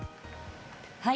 はい。